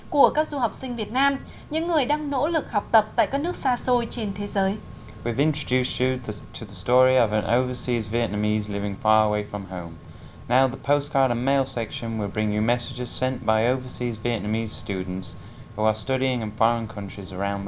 của các du học sinh việt nam những người đang nỗ lực học tập tại các nước xa xôi trên thế giới